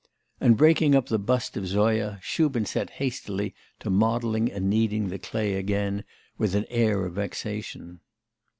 And breaking up the bust of Zoya, Shubin set hastily to modelling and kneading the clay again with an air of vexation.